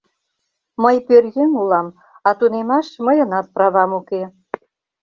— Мый пӧръеҥ улам, а тунемаш мыйынат правам уке.